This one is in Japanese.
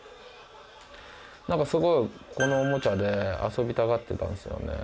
何かすごいこのおもちゃで遊びたがってたんですよね。